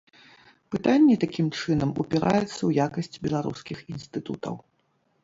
Пытанне, такім чынам, упіраецца ў якасць беларускіх інстытутаў.